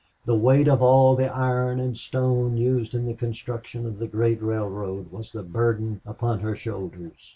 The weight of all the iron and stone used in the construction of the great railroad was the burden upon her shoulders.